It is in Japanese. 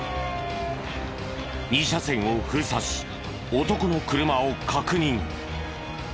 ２車線を封鎖し男の車を確認。